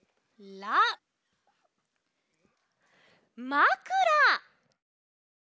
「まくら」！